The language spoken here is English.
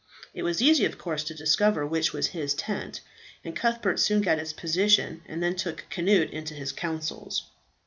It was easy, of course, to discover which was his tent; and Cuthbert soon got its position, and then took Cnut into his counsels.